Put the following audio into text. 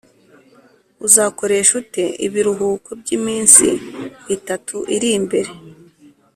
uzakoresha ute ibiruhuko byiminsi itatu iri imbere?